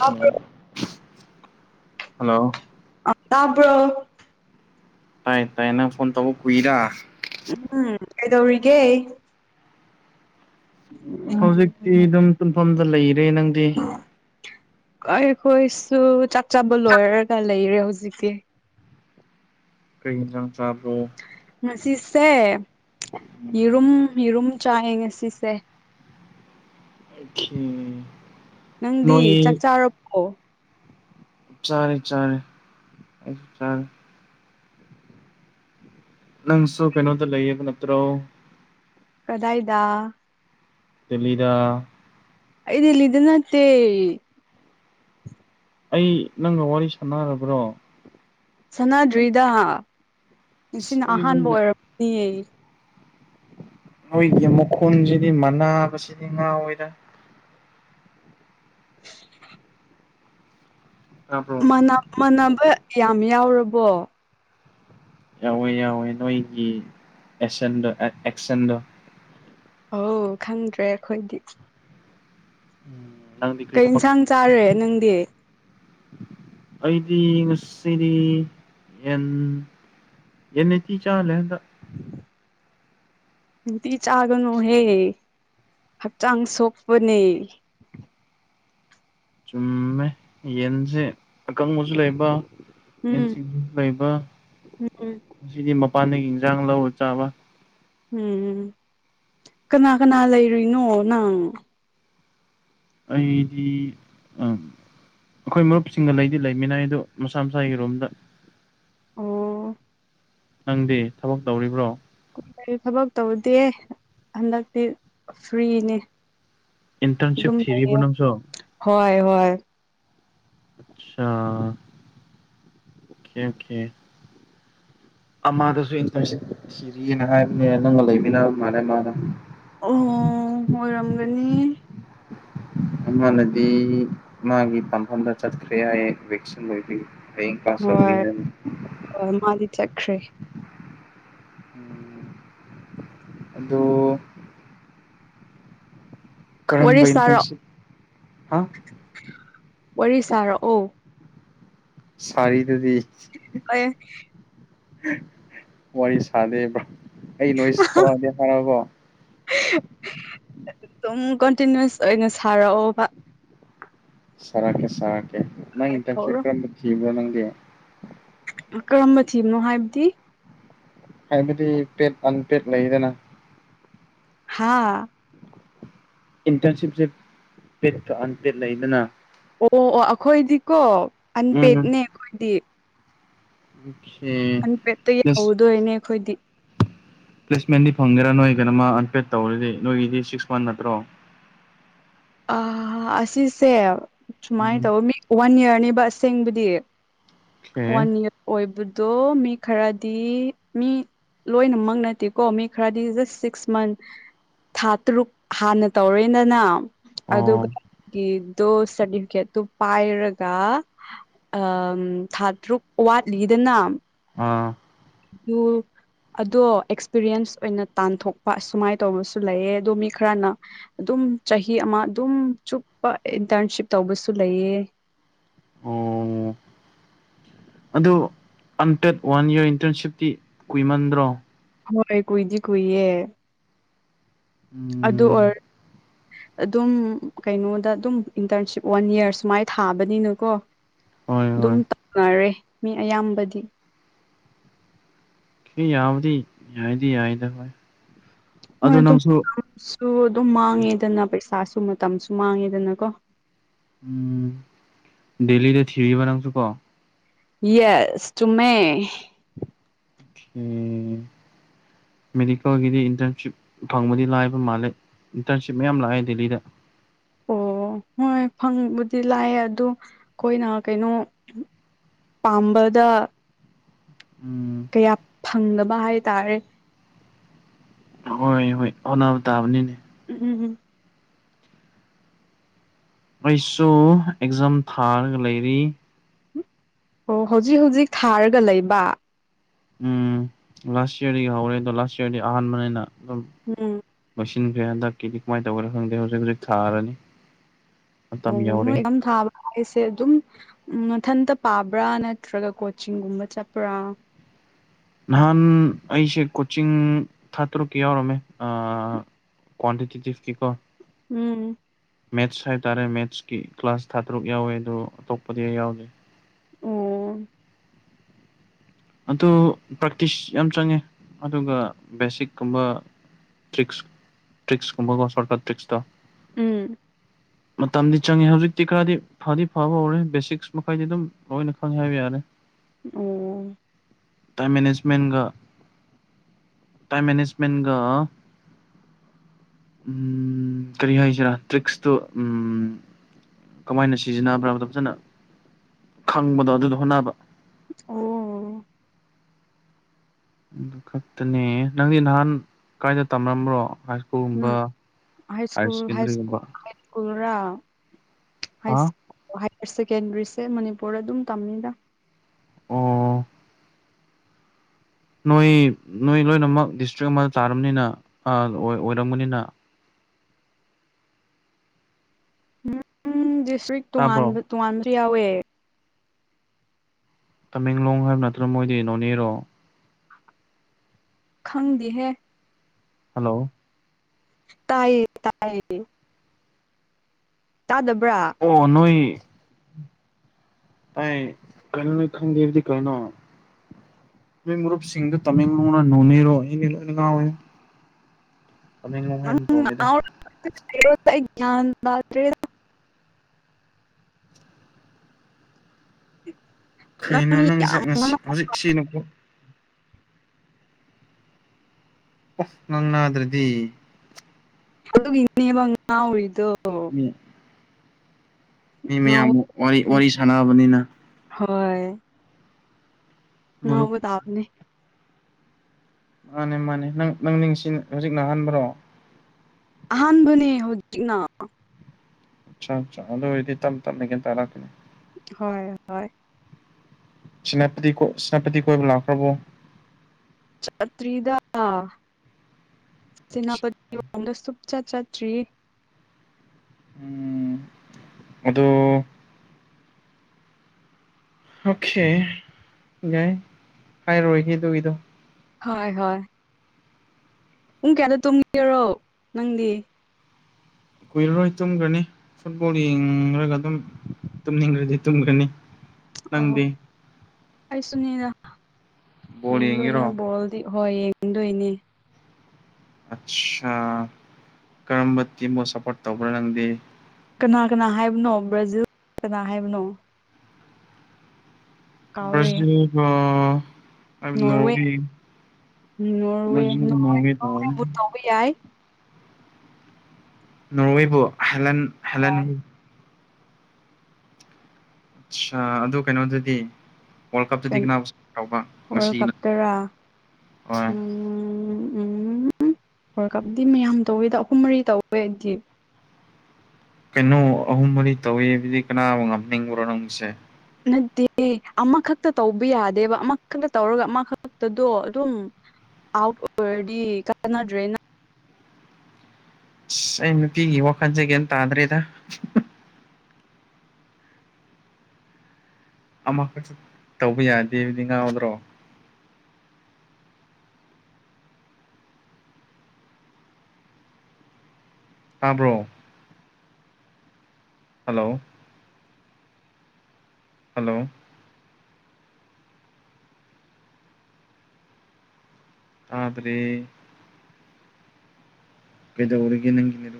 ꯇꯥꯕ꯭ꯔꯣ ꯍꯜꯂꯣ ꯇꯥꯕ꯭ꯔꯣ ꯇꯥꯏ ꯇꯥꯏ ꯅꯪ ꯐꯣꯟ ꯇꯧꯕ ꯀꯨꯏꯗ ꯎꯝ ꯀꯩꯗꯧꯔꯤꯒꯦ ꯍꯧꯖꯤꯛꯇꯤ ꯑꯗꯨꯝ ꯇꯨꯝꯐꯝꯗ ꯂꯩꯔꯦ ꯅꯪꯗꯤ ꯑꯩꯈꯣꯏꯁꯨ ꯆꯥꯛ ꯆꯥꯕ ꯂꯣꯏꯔꯒ ꯂꯩꯔꯦ ꯍꯧꯖꯤꯛꯇꯤ ꯀꯩ ꯍꯦꯟꯁꯥꯡ ꯉꯁꯤꯁꯦ ꯎꯝ ꯌꯦꯔꯨꯝ ꯌꯦꯔꯨꯝ ꯆꯥꯌꯦ ꯉꯦꯁꯤꯁꯦ ꯑ ꯅꯪꯗꯤ ꯆꯥꯛ ꯅꯣꯏ ꯆꯥꯔꯕꯣ ꯆꯔꯦ ꯆꯔꯦ ꯆꯔꯦ ꯅꯪꯁꯨ ꯀꯩꯅꯣꯗ ꯂꯩꯌꯦꯕ ꯅꯠꯇ꯭ꯔꯣ ꯀꯗꯥꯏꯗ ꯗꯦꯂꯤꯗꯥ ꯑꯩ ꯗꯦꯜꯂꯤ ꯗ ꯅꯠꯇꯦ ꯑꯩ ꯅꯪꯒ ꯋꯥꯔꯤ ꯁꯥꯟꯅꯔꯕ꯭ꯔꯣ ꯑꯁ ꯁꯥꯟꯅꯗ꯭ꯔꯤꯗ ꯅꯥꯁꯤꯅ ꯑꯩ ꯑꯍꯥꯟꯕ ꯅꯣꯏꯒꯤ ꯑꯣꯏꯔꯝꯅꯤꯌꯦ ꯅꯣꯏꯒꯤ ꯃꯈꯣꯟꯁꯤꯗꯤ ꯃꯅꯥꯕꯁꯤꯗꯤ ꯉꯥꯎꯋꯦꯗ ꯇꯥꯕ꯭ꯔꯣ ꯃꯥꯟꯅꯕ ꯌꯥꯝ ꯌꯥꯎꯔꯕꯣ ꯌꯥꯎꯋꯦ ꯌꯥꯎꯋꯦ ꯅꯣꯏꯒꯤ ꯑꯦꯁꯦꯟꯗꯣ ꯑꯦꯛꯁꯦꯟꯗꯣ ꯑꯣ ꯈꯪꯗ꯭ꯔꯦ ꯑꯩꯈꯣꯏꯗꯤ ꯎꯝ ꯀꯩ ꯌꯦꯟꯁꯥꯡ ꯆꯥꯔꯦ ꯅꯪꯗꯤ ꯑꯩꯗꯤ ꯉꯁꯤꯗꯤ ꯌꯦꯟ ꯑꯦꯅꯤ ꯆꯤ ꯆꯥ ꯂꯦꯟꯗ ꯅꯨꯡꯇꯤ ꯆꯥꯒꯅꯣꯍꯦ ꯍꯛꯆꯥꯡ ꯁꯣꯞꯄꯅꯦ ꯆꯨꯝꯃꯦ ꯌꯦꯟꯁꯦ ꯑꯀꯪꯕꯁꯨ ꯂꯩꯕ ꯎꯝ ꯌꯦꯟ ꯁꯤꯡꯖꯨ ꯂꯩꯕ ꯎꯝ ꯁꯤꯗꯤ ꯃꯥ ꯄꯥꯟꯗꯒꯤ ꯍꯦꯟꯖꯥꯡ ꯂꯧꯔꯒ ꯆꯥꯕꯥ ꯎꯝ ꯀꯅꯥ ꯀꯅꯥ ꯂꯩꯔꯨꯏꯅꯣ ꯅꯪ ꯑꯩꯗꯤ ꯑ ꯑꯩꯈꯣꯏ ꯃꯔꯨꯞꯁꯤꯡꯒ ꯂꯩꯗꯤ ꯂꯩꯃꯤꯟ ꯅꯩ ꯗꯣ ꯃꯁꯥ ꯃꯁꯥꯒꯤ ꯔꯣꯝꯗ ꯑꯣ ꯅꯪꯗꯤ ꯊꯕꯛ ꯇꯧꯔꯤꯕ꯭ꯔꯣ ꯀ ꯊꯕꯛ ꯇꯧꯗꯦ ꯍꯟꯗꯛꯇꯤ ꯐ꯭ꯔꯤꯅꯦ ꯏꯟꯇꯔꯟꯁꯤꯞ ꯑꯗꯨꯝ ꯊꯤꯔꯤꯕꯣ ꯂꯩꯌꯦ ꯅꯪꯁꯨ ꯍꯣꯏ ꯍꯣꯏ ꯑꯆꯥ ꯀꯦꯀꯦ ꯑꯃꯥꯗꯁꯨ ꯏꯟꯇꯔ ꯁꯤꯔꯤ ꯊꯤꯔꯤ ꯑꯅ ꯍꯥꯏꯕꯅꯦ ꯅꯪꯒ ꯂꯩꯃꯤꯟꯅ ꯃꯥꯜꯂꯦ ꯃꯥꯗꯣ ꯑꯣ ꯑꯣꯏꯔꯝꯒꯅꯤ ꯑꯃꯅꯗꯤ ꯃꯥꯒꯤ ꯄꯝꯐꯝꯗ ꯆꯠꯈ꯭ꯔꯦ ꯍꯥꯏꯑꯦ ꯏꯚꯦꯛꯁꯤꯟ ꯑꯣꯏꯕꯩ꯫ ꯍꯌꯦꯡ ꯀ꯭ꯂꯥꯁ ꯇꯧꯅꯤ ꯍꯥꯏꯔꯝꯃꯦ꯫ ꯈ꯭ꯔ‌ꯦ ꯑꯗꯨ ꯋꯥꯔꯤ ꯀꯔꯝꯕ ꯁꯥꯔꯛ ꯏꯟꯇ꯭ꯔꯟꯁꯤꯞ ꯍꯥ ꯋꯥꯔꯤ ꯁꯥꯔꯛꯑꯣ ꯁꯔꯤꯗꯨꯗꯤ ꯑꯩ ꯋꯥꯔꯤ ꯁꯥꯗꯦꯕ‌ꯣ ꯑꯩ ꯅꯣꯏꯁ ꯊꯔꯗꯤ ꯍꯥꯏꯔꯕꯣ ꯑꯗꯨꯝ ꯀꯟꯇꯤꯅꯨꯋꯁ ꯑꯣꯏꯅ ꯁꯥꯔꯛꯑꯣ ꯁꯥꯔꯛꯀꯦ ꯁꯥꯔꯛꯀꯦ ꯅꯪ ꯏꯟꯇ꯭ꯔꯟꯁꯤꯞ ꯍꯧꯔꯣ ꯀꯔꯝꯕ ꯊꯤꯕ꯭ꯔꯣ ꯅꯪꯗꯤ ꯀꯔꯝꯕ ꯊꯤꯕꯅꯣ ꯍꯥꯏꯕꯗꯤ ꯍꯥꯏꯕꯗꯤ ꯄꯦꯠ ꯑꯟꯄꯦꯠ ꯂꯩꯗꯅ ꯍꯥꯥ ꯏꯟꯇ꯭ꯔꯟꯁꯤꯞꯁꯦ ꯄ‌ꯦꯠ ꯀ ꯑꯟꯄꯦꯗ ꯂꯩꯅ ꯑꯣ ꯑꯣ ꯑꯩꯈꯣꯏꯗꯤꯀꯣ ꯎꯝ ꯑꯟꯄꯦꯠꯅꯦ ꯑꯩꯈꯣꯏꯗꯤ ꯑꯣꯀꯦ ꯑꯟꯐꯦꯠꯇ ꯄ꯭ꯂꯦꯁ ꯌꯥꯍꯧꯗꯣꯏꯅꯦ ꯑꯩꯈꯣꯏꯗꯤ ꯄ꯭ꯂꯦꯁꯃꯦꯟꯗꯤ ꯐꯪꯒꯦꯔꯥ ꯅꯣꯏ ꯀꯩꯅꯃ ꯑꯟꯄꯦꯗ ꯇꯧꯔꯗꯤ ꯅꯣꯏꯒꯤꯗꯤ ꯁꯤꯛꯁ ꯋꯥꯟ ꯅꯠꯇ꯭ꯔꯣ ꯑꯁꯤꯁꯦ ꯎꯝ ꯁꯨꯃꯥꯏꯅ ꯇꯧ ꯃꯤ ꯋꯥꯟ ꯌꯥ꯭ꯔꯅꯤꯕ ꯑꯁꯦꯡꯕꯨꯗꯤ ꯑꯣꯀꯦ ꯋꯥꯟ ꯏꯌꯥ꯭ꯔ ꯑꯣꯏꯕꯗꯣ ꯃꯤ ꯈꯔꯗꯤ ꯃꯤ ꯂꯣꯏꯅꯃꯛ ꯅꯠꯇꯦꯀꯣ ꯃꯤ ꯈ꯭ꯔꯗꯤ ꯖꯁ ꯁꯤꯛꯁ ꯃꯟ ꯊꯥ ꯇꯔꯨꯛ ꯍꯥꯟꯅ ꯇꯧꯔꯦꯗꯅ ꯑꯣ ꯑꯗꯨꯒ ꯇꯣ ꯁꯥ꯭ꯔꯇꯤꯐꯤꯀꯦꯠꯇꯣ ꯄꯥꯏꯔꯒ ꯑ ꯊꯥ ꯇꯔꯨꯛ ꯋꯥꯠꯂꯤꯗꯅ ꯑꯥ ꯑꯣ ꯑꯗꯣ ꯑꯦꯛꯁꯄꯤꯔꯤꯌꯦꯟꯁ ꯑꯣꯏꯅ ꯇꯥꯟꯊꯣꯛꯄ ꯑꯁꯨꯃꯥꯏꯅ ꯇꯧꯕꯔ ꯑꯃꯁꯨ ꯂꯩꯌꯦ ꯑꯗꯣ ꯃꯤ ꯈꯔꯅ ꯑꯗꯨꯝ ꯑꯗꯨꯝ ꯆꯍꯤ ꯑꯃ ꯑꯗꯨꯝ ꯆꯨꯞꯄ ꯏꯟꯇ꯭ꯔꯟꯁꯤꯞ ꯇꯧꯕꯁꯨ ꯂꯩꯑ ꯑꯣ ꯑꯗꯨ ꯑꯟꯇꯦꯠ ꯋꯥꯟ ꯌꯌꯥꯔ ꯏꯟꯇꯔꯟꯁꯤꯞꯇꯤ ꯀꯨꯏꯃꯟꯗ꯭ꯔꯣ ꯍꯣꯏ ꯀꯨꯏꯗꯤ ꯀꯨꯏꯌꯦꯦ ꯑꯗꯨ ꯎꯝ ꯑꯣꯏꯔ ꯑꯗꯨꯝ ꯀꯩꯅꯣꯗ ꯑꯗꯨꯝ ꯏꯟꯇꯔꯟꯁꯤꯞ ꯋꯥꯟ ꯌꯌꯥꯔ ꯁꯨꯃꯥꯏꯅ ꯊꯥꯕꯅꯤꯅꯀꯣ ꯍꯣꯏ ꯑꯗꯨꯝ ꯍꯣꯏ ꯇꯧꯅꯔꯦ ꯃꯤ ꯑꯌꯥꯝꯕꯗꯤ ꯀ ꯌꯥꯕꯗꯤ ꯌꯥꯏꯗꯤ ꯌꯥꯏꯗ ꯍ ꯍꯣꯏ ꯑꯗꯨ ꯑꯗꯨꯨ ꯑꯗꯨꯝ ꯃꯥꯡꯉꯦꯗꯅ ꯄꯩꯁꯥꯁꯨ ꯃꯇꯝꯁꯨ ꯃꯥꯡꯉꯦꯗꯅꯀꯣ ꯎꯝ ꯗꯦꯂꯤꯗ ꯊꯤꯚ ꯅꯥꯁꯨ ꯀꯣ ꯌꯦꯁ ꯇꯨ ꯍꯝ [unintelligible] ꯃꯦꯗꯤꯀꯦꯜꯒꯤꯗꯤ ꯏꯟꯇꯔꯟꯁꯤꯞ ꯐꯪꯕꯗꯤ ꯂꯥꯏꯕ ꯃꯥꯜꯂꯦ ꯏꯟꯇꯔꯟꯁꯤꯞ ꯃꯌꯥꯝ ꯂꯥꯛꯑꯦ ꯗꯦꯜꯂꯤꯗ ꯑꯣ ꯍꯣꯏ ꯐꯪꯕꯨꯗꯤ ꯂꯥꯛꯑꯦ ꯑꯗꯨ ꯑꯩꯈꯣꯏꯅ ꯀꯩꯅꯣ ꯄꯝꯕꯗ ꯎꯝ ꯀꯌꯥ ꯐꯪꯗꯕ ꯍꯥꯏꯇꯥꯔꯦ ꯍꯣꯏ ꯍꯣꯏ ꯑꯅꯥꯕ ꯇꯥꯕꯅꯤꯅꯦ ꯎꯝ ꯎꯝ ꯎꯝ ꯑꯩꯁꯨ ꯑꯦꯛꯖꯥꯝ ꯊꯥꯔꯒ ꯂꯩꯔꯤ ꯑꯣ ꯍꯧꯖꯤꯛ ꯍꯧꯖꯤꯛ ꯊꯥꯔꯒ ꯂꯩꯕ ꯎꯝ ꯂꯥꯁ ꯏꯌꯥꯔꯗꯒꯤ ꯍꯧꯔꯦ ꯑꯗꯣ ꯂꯥꯁ ꯏꯌꯥꯔꯗꯤ ꯑꯍꯥꯟꯕꯅꯦꯅ ꯑꯗꯨꯝ ꯎꯝ ꯆꯤꯟꯈ꯭ꯔꯦ ꯍꯟꯗꯛꯀꯤꯗꯤ ꯀꯃꯥꯏꯅ ꯇꯧꯒꯦꯅ ꯈꯪꯗꯦ ꯍꯧꯖꯤꯛ ꯍꯧꯖꯤꯛ ꯊꯥꯔꯅꯤ ꯃꯇꯝ ꯑꯣ ꯌꯧꯔꯦ ꯅꯣꯏꯝ ꯊꯥꯕ ꯑꯩꯁꯦ ꯑꯗꯨꯝ ꯎꯝ ꯃꯊꯟꯇ ꯄꯥꯕ꯭ꯔꯥ ꯅꯠꯇ꯭ꯔꯒ ꯀꯣꯆꯤꯡꯒꯨꯝꯕ ꯆꯠꯄ꯭ꯔꯥ ꯅꯍꯥꯟ ꯑꯩꯁꯦ ꯀꯣꯆꯤꯡ ꯊꯥ ꯇꯔꯨꯛꯀꯤ ꯌꯥꯎꯔꯝꯃꯦ ꯀ꯭ꯋꯥꯟꯇꯤꯇꯤꯤꯚ ꯀ ꯀꯣ ꯎꯝ ꯃꯦꯠꯁ ꯍꯥꯏꯇꯥꯔꯦ ꯃꯦꯠꯁꯀꯤ ꯀ꯭ꯂꯥꯁ ꯊꯥ ꯇꯔꯨꯛ ꯌꯥꯎꯋꯦ ꯑꯗꯨꯣ ꯑꯇꯣꯞꯄꯗꯤ ꯑꯩ ꯌꯥꯎꯗꯦ ꯑꯣ ꯑꯗꯨ ꯄ꯭ꯔꯦꯛꯇꯤꯁ ꯌꯥꯝ ꯆꯪꯉꯦ ꯑꯗꯨꯒ ꯕꯦꯁꯤꯛꯀꯨꯝꯕ ꯇꯔꯤꯛ ꯇ꯭ꯔꯤꯛꯁꯀꯨꯝꯕꯀꯣ ꯁꯣꯔꯀꯠ ꯇꯔꯤꯛꯁꯇ ꯎꯝ ꯃꯇꯝꯗꯤ ꯆꯪꯉꯦ ꯍꯧꯖꯤꯛꯇꯤ ꯈꯔꯗꯤ ꯐꯗꯤ ꯐꯕ ꯍꯧꯔꯦ ꯕꯦꯁꯤꯛꯁ ꯃꯈꯥꯏꯗꯤ ꯑꯗꯨꯝ ꯂꯣꯏꯅ ꯈꯪꯉꯦ ꯍꯥꯏꯕ ꯌꯥꯔꯦ ꯑꯣ ꯇꯥꯏ ꯑꯦꯖꯃꯦꯟꯒ ꯇꯥꯏꯝ ꯃꯖꯃꯦꯟꯒ ꯎꯝ ꯀꯔꯤ ꯍꯥꯏꯁꯤꯔ ꯇ꯭ꯔꯤꯛꯁꯇꯨ ꯎꯝ ꯀꯃꯥꯏꯅ ꯁꯤꯖꯤꯟꯅꯕ꯭ꯔꯥꯕꯗ ꯐꯖꯅ ꯈꯪꯕꯗꯣ ꯑꯗꯨꯗ ꯍꯣꯠꯅꯕ ꯑꯣ ꯑꯗꯨ ꯈꯛꯇꯅꯦ ꯅꯪꯗꯤ ꯅꯍꯥꯟ ꯀꯥꯏꯗ ꯇꯝꯂꯝꯝꯕ꯭ꯔꯣ ꯍꯥꯏ ꯅ ꯁ꯭ꯀꯨꯜꯒꯨꯝꯕ ꯍꯥꯏꯔ ꯁꯦꯀꯦꯟꯗꯔꯤꯒꯨꯝꯕ ꯄꯨꯥ ꯔ ꯍꯥ ꯁꯦꯀꯦꯟꯗ꯭ꯔꯤꯁꯦ ꯃꯅꯤꯄꯨꯔꯗ ꯑꯗꯨꯝ ꯇꯝꯅꯤꯗ ꯑꯣ ꯅꯣꯏ ꯅꯣꯏ ꯂꯣꯏꯅꯃꯛ ꯗꯤꯁꯇ꯭ꯔꯤꯛ ꯑꯃꯗ ꯇꯥꯔꯕꯅꯤꯅ ꯑꯣꯏꯔꯝꯕꯅꯤꯅ ꯏꯁ꯭ꯔꯤ ꯇꯥꯕ꯭ꯔꯣ ꯇꯣꯉꯥꯟꯕ ꯇꯣꯉꯥꯟꯕꯁꯨ ꯌꯥꯎꯋꯦ ꯇꯃꯦꯡꯂꯣꯡ ꯍꯥꯏꯕ ꯅꯠꯇ꯭ꯔꯒ ꯃꯣꯏꯗꯤ ꯅꯣꯅꯦꯔꯣ ꯈꯪꯗꯤꯍꯦ ꯍꯜꯂꯣ ꯇꯥꯏꯌꯦ ꯇꯌꯦ ꯑꯣ ꯅꯣꯏ ꯇꯥꯏꯌꯦ ꯀꯅ ꯈꯪꯒꯦꯗꯤ ꯀꯅꯣ ꯃꯤ ꯃꯔꯨꯔꯨꯞꯁꯤꯡꯗꯨ ꯇꯃꯦꯡꯂꯣꯡꯅ ꯅꯣꯅꯤꯔ ꯉꯋ ꯇꯃꯦꯡ ꯅꯨꯡ ꯍꯥꯏꯕ ꯇꯧꯅꯤꯗ ꯑꯩꯔꯣ ꯇꯒ꯭ꯌꯥꯟꯗꯗ꯭ꯔꯦ ꯀꯩꯅꯣ ꯅꯪ ꯅꯪꯁꯦ ꯌꯥꯝ ꯉꯁꯤ ꯉꯥꯎ ꯍꯧꯖꯤꯛ ꯁꯤꯅꯀꯣ ꯅꯟꯅ ꯑꯗꯨ꯭ꯔꯗꯤ ꯑꯗꯨ ꯏꯕ ꯉ ꯎꯔꯤꯗꯣ ꯃꯤ ꯃꯤ ꯃꯌꯥꯝ ꯉꯥꯎꯕꯅꯦ ꯋꯥꯔꯤ ꯋꯥꯔꯤ ꯁꯥꯟꯅꯕꯅꯤꯅ ꯍꯣꯏ ꯑ ꯃꯔꯨꯞ ꯎ ꯇꯥꯕꯅꯤ ꯃꯥꯅꯦ ꯃꯥꯅꯦ ꯅꯪ ꯅꯪꯁꯤ ꯍꯧꯖꯤꯛ ꯅꯥꯍꯟꯕ꯭ꯔꯣ ꯑꯍꯥꯟꯕꯥꯟꯕꯅꯦ ꯍꯧꯖꯤꯅ ꯑꯆꯥ ꯑꯆꯥ ꯑꯗꯨꯗꯣ ꯑꯣꯏꯗꯤ ꯊꯝ ꯊꯝꯃꯤ ꯀ ꯇꯔꯛꯀꯅꯤ ꯍꯣꯏ ꯍꯣꯏ ꯁꯅꯥꯇ ꯁꯦꯅꯥꯄꯇꯤ ꯀꯣꯏꯕ ꯂꯥꯛꯈ꯭ꯔꯕꯣ ꯆꯇ꯭ꯔꯤꯗꯥ ꯇꯅꯥꯄ ꯑꯟꯗ ꯁꯨꯞꯆꯥ ꯆꯇ꯭ꯔꯤ ꯎꯝ ꯑꯗꯣ ꯑꯣꯀꯦ ꯌꯥꯏ ꯍꯥꯏꯔꯣꯏꯒꯦ ꯑꯗꯨꯒꯤꯗꯣ ꯍꯣꯏ ꯍꯣꯏ ꯄꯨꯡ ꯀꯌꯥꯗ ꯇꯨꯝꯒꯦꯔꯣ ꯅꯪꯗꯤ ꯀꯨꯏꯔꯔꯣꯏ ꯇꯨꯝꯈ꯭ꯔꯅꯤ ꯐꯨꯠꯕꯣꯜ ꯌꯦꯡꯈꯒ ꯑꯗꯨꯝ ꯇꯨꯝꯅꯤꯡꯈ꯭ꯔꯗꯤ ꯇꯨꯝꯈ꯭ꯔꯅꯤ ꯅꯪꯗꯤ ꯑꯩꯁꯨꯅꯤꯅ ꯕꯣꯜ ꯌꯦꯡꯗꯣꯏꯅꯦ ꯌꯦꯡꯒꯦꯔꯣ ꯕꯣꯜꯗꯤ ꯍꯣꯏ ꯌꯦꯡꯗꯣꯏꯅꯦ ꯑꯆꯥꯥ ꯀꯔꯝꯕ ꯇꯤꯝꯕꯨꯣ ꯁꯞꯄꯣꯔꯠ ꯇꯧꯕ꯭ꯔꯥ ꯅꯪꯗꯤ ꯀꯅꯥ ꯀꯅꯥ ꯍꯥꯏꯕꯅꯣ ꯕ꯭ꯔꯥꯖꯤꯜ ꯀꯅꯥ ꯍꯥꯏꯕꯅꯣ ꯀꯥꯎꯔꯦ ꯁ ꯑ ꯅꯋ ꯅꯣꯔꯋꯦ ꯅꯣꯔꯋꯦ ꯅꯣꯔꯋꯦ ꯅꯋ ꯊ ꯅꯣꯔꯋꯦꯕꯨ ꯇꯧꯕ ꯌꯥꯏ ꯅꯣꯔꯋꯦꯕꯨ ꯍꯦꯂꯟ ꯍꯦꯂꯟ ꯑꯆꯥ ꯑꯗꯨ ꯀꯩꯅꯣꯗꯗꯤ ꯋꯥꯔꯜ ꯀꯞ ꯇꯔꯥ ꯎ ꯍꯣꯏ ꯎꯝ ꯋꯥꯔꯜ ꯀꯞꯗꯤ ꯃꯌꯥꯝ ꯇꯧꯋꯦꯗ ꯑꯍꯨꯝ ꯃꯔꯤ ꯇꯧꯋꯦ ꯑꯩꯗꯤ ꯀꯩꯅꯣ ꯑꯍꯨꯝ ꯃꯔꯤ ꯇꯧꯋꯕꯗꯤ ꯀꯅꯥꯕꯨ ꯉꯝꯅꯤꯡꯕ꯭ꯔꯣ ꯅꯪꯁꯦ ꯅꯠꯇꯦ ꯑꯃꯈꯛꯇ ꯇꯧꯕ ꯌꯥꯗꯦꯕ ꯑꯃꯈꯛꯇ ꯇꯧꯔꯒ ꯑꯃꯈꯛꯇꯗꯣ ꯑꯗꯨꯝ ꯑꯥꯎꯠ ꯑꯣꯏꯔꯗꯤ ꯀꯅꯗ꯭ꯔꯦꯅ ꯑꯁ ꯑꯩ ꯅꯨꯄꯤꯒꯤ ꯋꯥꯈꯜꯁꯦ ꯀꯩꯝ ꯇꯥꯗ꯭ꯔꯦꯗ ꯑꯃꯈꯁꯨ ꯇꯧꯕ ꯌꯥꯗꯦꯕꯗꯤ ꯉꯥꯎꯗ꯭ꯔꯣ ꯇꯕ꯭ꯔꯣ ꯍꯜꯂꯣ ꯍꯜꯂꯣ ꯇꯗꯔꯦ ꯀꯗꯧꯔꯤꯒꯤ ꯅꯪꯒꯤꯅꯤꯗ